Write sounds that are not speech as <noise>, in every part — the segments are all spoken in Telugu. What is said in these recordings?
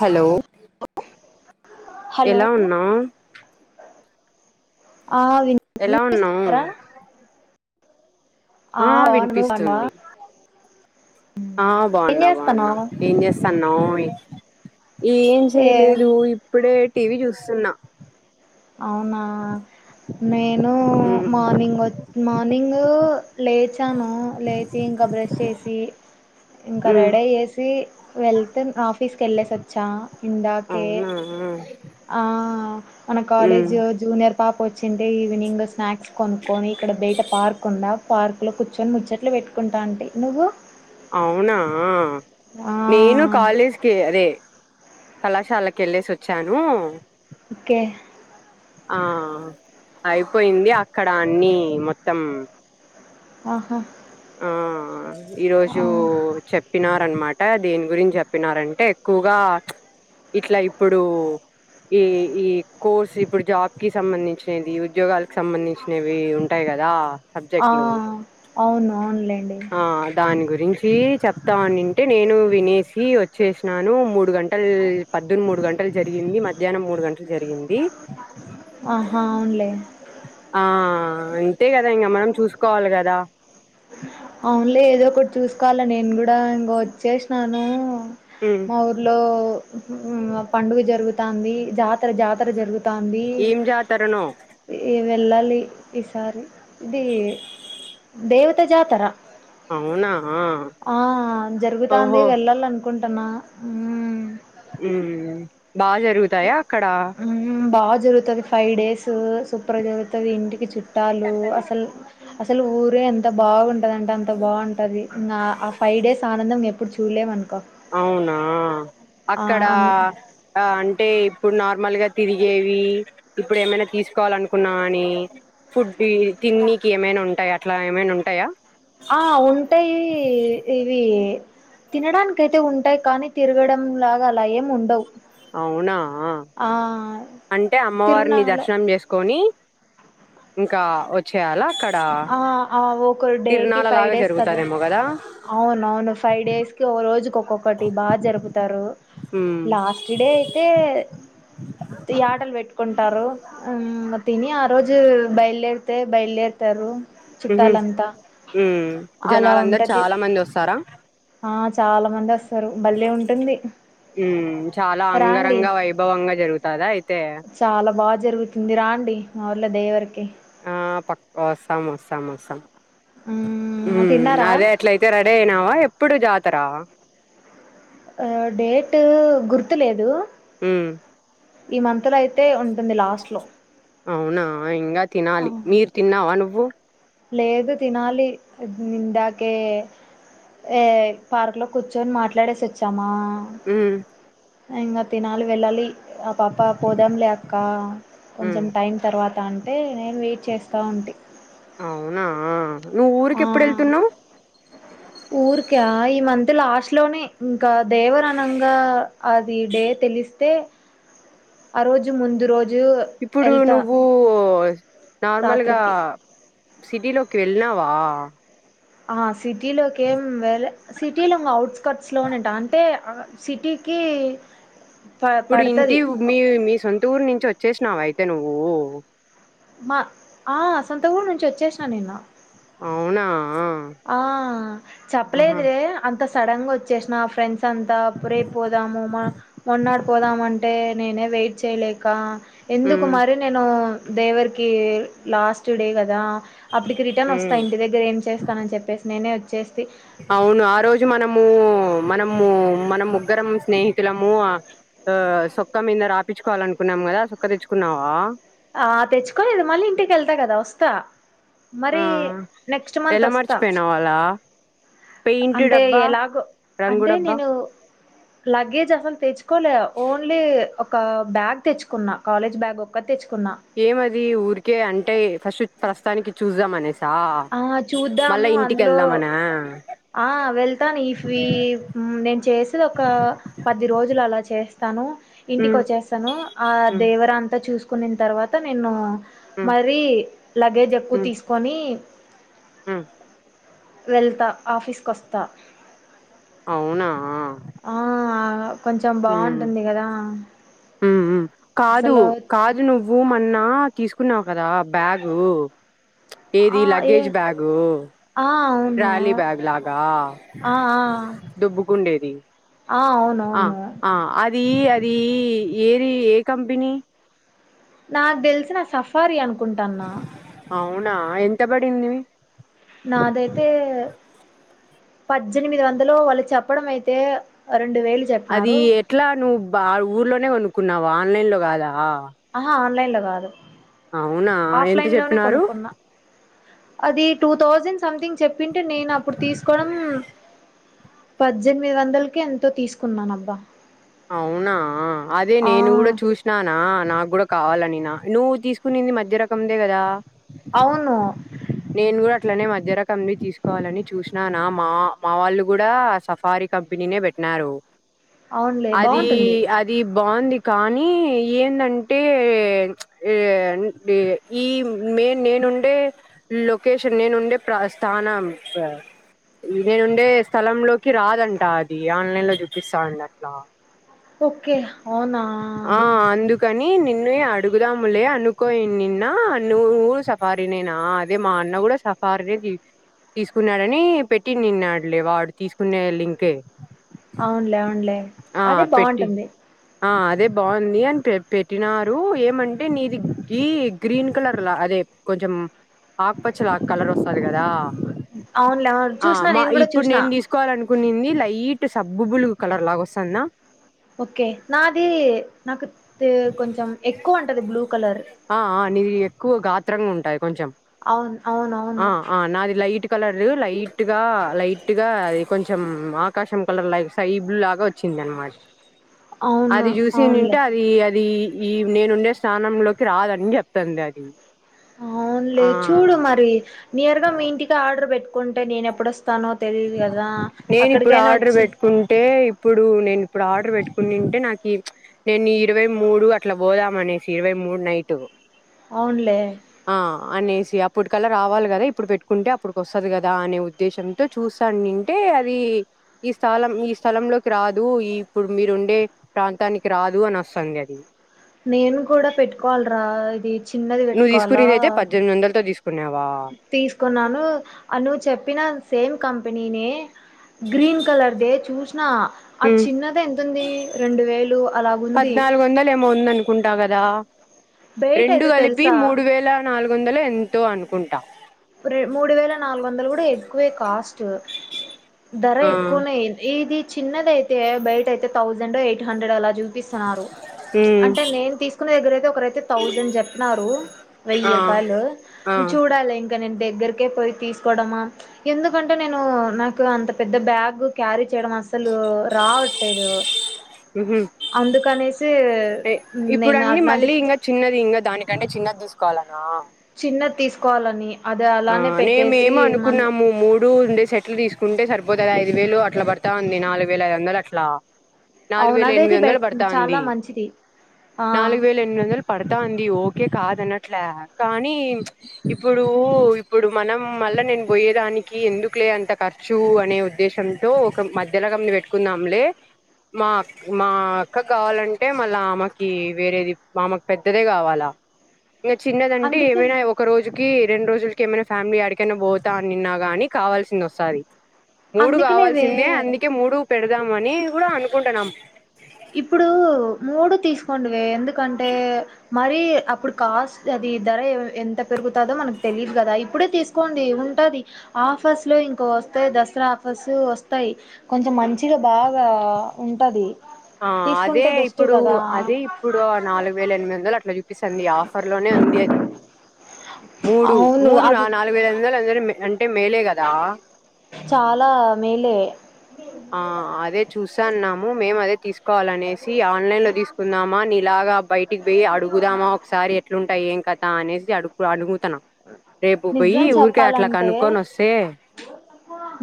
హలో హలో ఎలా ఉన్నావ్ ఆ విన్ ఎలా ఉన్నావ్ వినిపిస్తున్నారా ఆ బావున్న నువ్ బావునవా ఆ బాగున్నా బాగున్నా చేస్తున్నావ్ ఏం చేస్తాన్నవ్ ఏం ఏం చేయలేదు ఇప్పుడే టీవీ చూస్తున్నా అవునా నేను ఉమ్ మార్నింగ్ వచ్ మార్నింగ్ లేచాను లేచి ఇంకా బ్రష్ చేసి ఇంకా ఉమ్ రెడయేసి వెళ్తే ఆఫీస్కి వెళ్ళేసొచ్చా అవునా ఆ మన ఉమ్ కాలేజ్ జూనియర్ పాప వచ్చింటే ఈవినింగ్ స్నాక్స్ కొనుక్కొని ఇక్కడ బయట పార్క్ ఉందా పార్క్ లో కూర్చొని ముచ్చట్లు పెట్టుకుంటాంటి నువ్వు అవునా నేను ఆ కాలేజ్కి అదే కళాశాలకి వెళ్ళేసి వచ్చాను ఓకే ఆ అయిపోయింది అక్కడ అన్ని మొత్తం ఆహా ఆ ఈరోజు ఆ చెప్పినార అనమాట అ దీని గురించి చెప్పినారంటే ఎక్కువగా ప్చ్ ఇట్లా ఇప్పుడు ఈ ఈ కోర్స్ ఇప్పుడు జాబ్ కి సంబంధించినది ఉద్యోగాలకి సంబంధించినవి ఉంటాయి కదా గా ఆ సబ్జెక్టు లు అవును అవునులేండి దాని గురించి చెప్ తానుంటే నేను వినేసి వచ్చేసాను మూడు గంటలు పద్దును మూడు గంటలు జరిగింది మధ్యాహ్నం మూడు గంటలు జరిగింది ఆహా అవును ఆ అంతే కదా ఇంకా మనం చూసుకోవాలి కదా అవునులే ఏదో ఒకటి చూసుకోవాలా నేను కూడా ఇంక వచ్చేసినాను మా ఊర్లో పండుగ జరుగుతంది జాతర జాతర జరుగు తాంది ఏం జాతరనో ఏ వెళ్ళాలి ఈసారి ఇది దేవత జాతర అవునా ఆ జరుగుతాంది ఓహో వెళ్ళాల అనుకుంటున్నా ఊ ఉమ్ బాగా జరుగుతాయా అక్కడ మ్మ్ బాగా జరుగుతుంది ఫైవ్ డేస్ సూపర్గా జరుగుతుంది ఇంటికి చుట్టాలు అసలు అసలు ఊరే ఎంత బాగుంటందంటే అంత బాగుంటుంది నా ఆ ఫైవ్ డేస్ ఆనందం ఎ ఇప్పుడు చూలేమను అవునా అక్కడ అన్ ఆ అంటే అంటే ఇప్పుడు నార్మల్గా తిరిగేవి ఇప్పుడు ఏమైనా తీసుకోవాల అనుకున్నా అని ఫుడ్ తిన్నికి ఏమైనా ఉంటాయా అట్లా ఏమైనా ఉంటాయా ఆ ఉంటాయి ఇవి తినడానికైతే ఉంటాయి కానీ తిరగడంలాగా అలా ఏం ఉండవు అవునా ఆ అంటే అమ్మవారిని తిరునాల దర్శనం చేసుకొని ఇంకా వచ్చేయాలా అక్కడ కొర్ డే కి తిరునాల ఫైవ్ లాగా డేస్ కదా జరుగుతదేమో అవునవును ఫైవ్ డేస్ కి ఓ రోజుకి ఒక్కొక్కటి బాగా జరుపుతారు ఉమ్ లాస్ట్ డే అయితే యాటలు పెట్టు కుంటారు తిని ఆ రోజు బయలుదేరితే బయలుదేరుతారు మ్ హు చుట్టాలంతా అలా జనాలందరు ఉంటది చాలా మంది వస్తారా ఆ చాలా మంది వస్తారు బళ్లే ఉంటుంది మ్ చాలా రాండి అంగరంగా వైభవంగా జరుగుతదా అయితే చాలా బాగా జరుగుతుంది రండి మాఊళ్ళ దేవరికి ఆ పక్క వస్తాం వస్తాం వస్తాం మ్మ్ మ్ తిన్నారా అదే అట్లయితే రెడీ అయినావా ఎప్పుడు జాతర ర్తులేదు మ్ ఈ మంతులయితే ఉం అవునా ఇంగ తినాలి మీరు తిన్నావా నువ్వు లేదు తినాలి ఇందాకే ఏ పార్క్ లో కూర్చొని మాట్లాడేసి వచ్చామా మ్ ఇంగ తినాలి వెళ్ళాలి ఆ పాప పోదాం లే అక్క మ్మ్ కొంచెం టైం తర్వాత్ త అంటే నేను వెయిట్ చేస్తా ఉంటి అవునా నువ్వు ఊరికి ఆ ఎప్పుడు వెళ్తున్నావు్ ఊరికా ఈ మంత్ లాస్ట్ లోనే ఇంకా దేవరనంగా అది డే తెలిస్తే ఆ రోజు ముందు రోజ్ ఇప్పుడు నువ్వు నార్మల్గా రాత్రికి సిటీలోకి వెల్లినవా ఆ సిటీలోకేం వేలే సిటీ లోనే ఇంగ ఆఔట్కర్ట్స్ లోనే అంటే ఆ సిటీకి ప ఇప్పుడు ఇంటి పడతది మీ మీ సొంత ఊరు నుంచి వచ్చేసినావ అయితే నువ్వు మా ఆ సొంత ఊరు నుంచి వచ్చేసిన నిన్న అవునా ఆ ఆహా చెప్పలేదు రే అంత సడన్ గా వచ్చేసిన ఫ్రెండ్ సంతాపురేప్ పోదాము మొన్నాడు పోదామంటే నేనే వెయిట్ చేయలేక ఎందుకు మ్మ్ మరి నేను దేవరికి లాస్ట్ డే కదా అప్పటికి రిటర్న్ వస్తా మ్మ్ ఇంటి దగ్గర ఏం చేస్ నేస్ నేనే వచ్చేస్ అవును ఆ రోజు మనము మనము మన ముగ్గురం స్నేహితులము ఆ సొక్క మీద రాపించుకోవాలనుకున్నా న్నాం కదా చోక్క తెచ్చుకున్నావా ఆ తెచ్చుకోలేదు మళ్ళీ ఇంటికి వెళ్తా కదా వస్తా ఆ మరి నెక్స్ట్ మంత్ ఎలా వస్తా మర్చిపోయినావ్ అలా పెయింట్ అంటే డబ్బా ఎలాగో రంగు అంటే డబ్బా నేను లాగేజ్ అసల్ తెచ్చుకోలే ఓన్లీ ఒక బ్యాగ్ తెచ్చుకున్న కాలేజ్ బ్యాగ్ ఒక్క తెచ్చు ఏమది ఊరికే అంటే ఫస్ట్ ప్రస్తుతానికి చూద్దామనే ఆ చూద్దాము అందులో వెళ్దామనా ఆ వెళ్తాను ఇఫ్ ఈ నేను చేసేది ఒక పది రోజు ర అలా చేస్తాను ఇంటికి మ్మ్ వచ్చేస్తాను ఆ మ్మ్ దేవరంతా చూసు తీకున్న తర్వాత నేను మ్మ్ మరీ లగేజ్ ఎక్కువ తీసుకొని ఉ వెళ్తా ఆఫీస్కు వస్తా అవునా ఆ కొంచెం ఉమ్ బాగుంటుంది కదా ఉమ్ కాదు అసలు కాదు నువ్వు మన న్నా తీసుకున్నా కదా బ్యాగు ఆ ఏది ఏ లగేజ్ బ్యాగు ఆ అవును ట్రాలీ బ్యాగ్ లాగా ఆ ఆ దుబ్బుకుండేది ఆ ఆ అవునువును ఆ అది అది ఏది ఏ కంపెనీ నాకు తెలిసిన సఫారీ అనుకుంటాన్నా అవునా ఎంత పడింది నాదైతే పద్దెనిమిది వందలు వాళ్ళు చెప్పడం అయితే రెండు వేలు అది చెప్పినారు ఎట్లా నువ్వు బ ఊర్లోనే కొనుక్కున్నావు ఆన్లైన్ లో కాదా ఆహా ఆన్లైన్ లో కాదు అవునా ఎంత ఆఫ్లైన్ లోనే చెప్పినారు కొనుక్కున్నా అది టూ థౌజండ్ సంథింగ్ చెప్పింటే నేను అప్పుడు తీసుకోవడం పద్దే నిమిది వందలకి ఎంతో తీసుకున్నాన అబ్బా అవునా అదే నేను కూడా చూసినానా నాకు కూడా కావాలనినా నువ్వు తీసుకునింది మధ్య రకందే కదా అవును నేను కూడా అట్లనే మధ్య రకం ని తీసుకోవాలని చూసిన మా మా వాళ్ళు కూడా సఫారీ కంపెనీ పెట్టి న్నారో అవునులే అది బాగుంటుంది అది బాగుంది కానీ ఏందంటే ఈ మేన్ నేను నేనుండే లొకేషన్ నేనుండే ప్రస్థానం ఈ నేనుండే స్థల లోకి రాదంట అది ఆన్లైన్ లో చూపిస్తాండ అట్లా ఓకే అవునా నిన్ను అడుగుదాములే అనుకోయి నిన్న ఊరు సఫారినేనా అదే మా అన్న సఫారి దే జె తీసుకున్నాడని పెట్టిందిన్నాడలే వాడు తీసుకునే లింకే అవునులే అవునులే ఆ అదే పెట్టి బాగుంటుంది ఆ అదే బాగుంది అని పెట్టినారు ఏమంటే నీది గ గ్రీన్ కలర్లా అదే కొంచెం ఆకుపచ్చల ఆకు కలర్ వస్తది కదా అవునులే అవును ఆ చూసినా మా నేను కూడా ఇప్పుడు చూసిన నేను తీసుకోవాల అనుకునింది సబ్బు బులుగు కలర్ లాగా వస్తుంది నా ఓకే నాది నాకు తె- కొంచెం ఎక్కువ ఉంటది బ్లూ కలర్ ఆ ఆ నీది ఎక్కువ గాత్రంగా ఉంటాది కొంచెం అవును అవును ఆ అవును ఆ నాది లైట్. కలర్ లైట్ గా లైట్ గా కొంచెం ఆకాశం కలర్ లా సై బ్లూ లాగా వచ్చింది అనమాట. అవును అది చూసి తంటే అవునులే అది అది ఈ నేను ఉండే స్థానంలోకి రాదని చెప్తుంది అది అవునులేదు చూడు ఆ మరి నియర్గా మీ ఇంటికి ఆర్డర్ పెట్టుకుంటే నేన ఎప్పుడొస్త ఎ ఇప్పుడు ఆర్డర్ వచ్చి పెట్టుకుంటే ఇప్పుడు నేను ఇప్పుడు ఆర్డర్ పెట్టుకునింటే నాకి నేను ఇరవై మూడు అట్లా పోదామనేసి ఇరవై మూడు నైట్ అవునులే ఆ అనేసి అప్ ఇప్పుటికలా రావాలి కదా ఇప్పుడు పెట్టుకుంటే అప్పటికి వస్తది కదా అనే ఉద్దేశంతో. చూసానింటే అది ఈ స్థలం ఈ స్థలంలోకి రాదు ఈ ఇప్పుడు మీరు ఉండే ప్రాంతానికి రాదు అని వస్తాంది అది నేను కూడా పెట్టుకోవాలరా ఇది చిన్నది నువ్వు పెట్టుకోవాలా. తీసుకునేది అయితే పద్దెనిమిది వందలతో తీసుకున్నావా తీసుకున్నాను నువ్వు చెప్పిన సేమ్ కంపెనీనే గ్రీన్ కలర్ దే చూసినా ఆ చిన్నది ఎంతంది రెండు వేలు అలాగుంది. పద్నాలుగు వందలు ఏమో ఉంద అనుకుంటా దా బయట రెండు అయితే కలిపి తెలుసా మూడు వేల నాలుగు వందలు ఎంతో అనుకుంటా. ర్రే మూడు వేల నాలుగు వందలు కూడా ఎక్కువే కాస్టు. ధర ఆ ఎక్కువనేంది ఇది చిన్నదియితే బయట అయితే థౌజండ్ ఎయిట్ హండ్రెడ్ అలా చు చూపిస్తున్నారు ఉమ్ అంటే నేను తీసుకున్న దగ్గర అయితే ఒకరైతే థౌసండ్ చెప్పినారు. ఆ వెయ్యి రూపాయలు ఆ చూడాలి ఇంకా నేను దగ్గరకే పోయి తీసుకోవడమా ఎందుకంటే నేను నాకు అంత పెద్ద బ్యాగ్ క్యారీ. చేయడం అసలు రావట్లేదు. హుమ్మ్ అందుకనేసి ఏ ఇప్పుడు నేను అన్నీ అట్లాంటి మళ్ళీ ఇంకా చిన్నది ఇంకా దాని అంటే చిన్నది తీసుకోవాలనా. చిన్నది తీసుకోవాలని. అది ఆ అలానే పెట్టేసి నేమేమ మళ్ళీ అనుకున్నాము మూడుండే సెట్లు తీసుకుంటే సరి. పోతే ఐదు వేలు అట్లా పడతాంది ఉంది నాలుగు వేల ఐదు వందలు అట్లా. నాలుగు అవును వేల అదైతే ఎనిమిది వందలు బెట్ చాలా పడతాంది మంచిది ఆ నాలుగు వేల ఎనిమిది వందలు పడతాంది. కే కాదన్నట్లే కానీ ఇప్పుడు. ఇప్పుడు మనం మళ్ళ నేను పోయేదానికి ఎందుకులే అంత ఖర్చు అనే ఉద్దేశంతో. మధ్యలో గని పెట్టుకున్నాములే. మా అ మా అక్క కావాలంటే మళ్ళా ఆమెకి వేరేది మామకు పెద్దదే కావాలా. ఇంకా చిన్నదంటే అందుకని ఏమైనా ఒక రోజుకి రెండు రోజులకి ఏమైనా ఫ్యామిలీ ఎడికైనా పోతా అ నిన్నా గానీ కావాల్సింది వసాది. మూడు అందుకనేవే కావాల్సిందే అందుకే మూడు పెడదామ అని కూడా అనుకుంటున్నాం. ఇప్పుడు మూడు తీసుకోండివే ఎందుకంటే. మరి అప్పుడు కాస్ట్ అది ధర ఎంత పెరుగుతుందో మనకు తెలీదు కదా ఇప్పుడే తీసుకోండి. ఉంటది ఆఫర్స్ లో ఇంకో వస్తాయి దసరా ఆఫర్స్ వస్తాయి కొంచెం మంచిగా బాగా ఆ ఉంటది. ఆ అదే తీసుకుంటే బెస్ట్ ఇప్పుడు కదా అదే ఇప్పుడు నాలుగు వేల ఎనిమిది వందలు అట్లా. చుపిస్తుంది ఆఫర్ లోనే ఉంది అది. మూడు అవును మూడు నా అది నాలుగు వేల ఐదు వందల అందర అంటే మేలే గదా చాలా మేలే ఆ అదే చూసాన్నాము మేము అదే తీసుకు కావల్ అనేసి ఆన్లైన్ లో తీసుకుందామా నీలాగా బయటికి పోయి అడుగుదామా ఒకసారి ఎట్లుంటాయి. కత అనేసి అడుగు అడుగు తనా రేపు పోయి నిజం ఊరికే అట్లా చెప్పాలంటే కనుక్కొని వసే.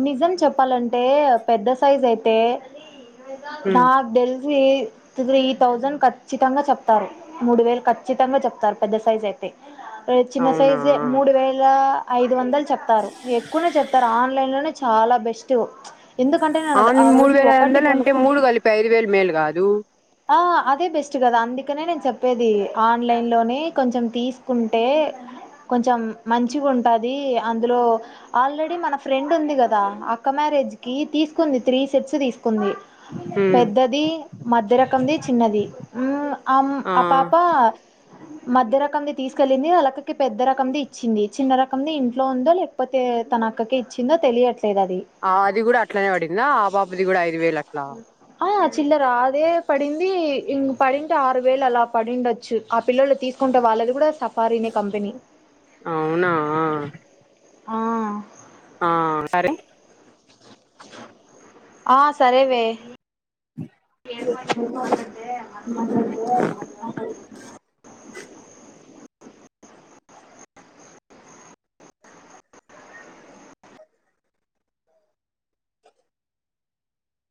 నిజం చెప్పాలంటే పెద్ద సైజ్ అయితే ఉమ్, నాక్ తేల్సి త్రీ థౌజండ్ ఖచ్చితంగా చెప్తారు మూడు వేలు ఖచ్చితంగా చెప్తారు పెద్ద సైజ్ అయితే. చిన్న అవునా సైజె మూడు వేల ఐదు వందలు చెప్తారు ఎక్కువనే చెప్తారు ఆన్లైన్లోనే చాలా బెస్ట్ ఎందుకంటే నేను ఆ మూడు రోజు వేల ఐదు ఒకటి వందలు అంటే కొనుక్కున్నా మూడు కలిపి ఐదు వేలు మేలు కాదు ఆ అదే బెస్ట్ కదా అందుకనే నేను చెప్పేది ఆన్లైన్లోని కొంచెం తీసుకుంటే కొంచెం మంచిగా ఉంటది అందులో ఆల్రెడీ మన ఫ్రెండ్ ఉంది కదా అక్క మ్యారే జికి తీసుకుంది త్రీ సెట్స్ తీసుకుంది ఉమ్, పెద్దది మధ్య ర ఉన్నది ఉమ్ ఆమ్ ఆ పాప మధ్య రకంది తీసుకెళ్ళింది వాళ్లకకి పెద్ద రకంది ఇచ్చింది చిన్న రకంది ఇంట్లో ఉందో లేకపోతే తనక్క ఇచ్చిందో తెలియట్ ఆ అది కూడా అట్లనే పడిందా ఆ బాబుది కూడా ఐదు వేలు అ అ ఆ చిల్లర్ అదే పడింది ఇం పడింటే ఆరు వేలు అలా పడిండొచ్చు ఆ పిల్లలు తీసుకు ఉంటే వాళ్ళది కూడా సప్ అవునా ఆ ఆ సరే ఆ సరేవే <inaudible>